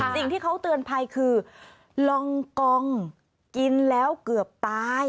สิ่งที่เขาเตือนภัยคือลองกองกินแล้วเกือบตาย